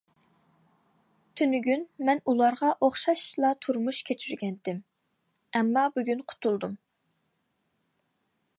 تۈنۈگۈن مەن ئۇلارغا ئوخشاشلا تۇرمۇش كەچۈرگەنىدىم، ئەمما بۈگۈن قۇتۇلدۇم.